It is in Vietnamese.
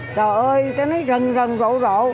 trời ơi tôi nói rần rần rộ rộ